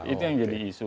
itu yang jadi isu